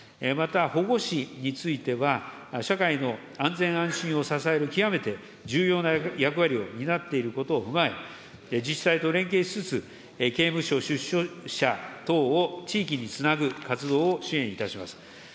また保護司については、社会の安全安心を支える極めて重要な役割を担っていることを踏まえ、自治体と連携しつつ、刑務所出所者等を地域につなぐ活動を支援いたします。